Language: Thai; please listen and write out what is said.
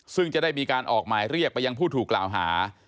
ซึ่งจะได้มีการออกหมายเรียกไปยังผู้ถูกกล่าวหา